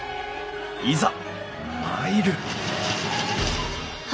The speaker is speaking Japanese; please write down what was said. いざ参る！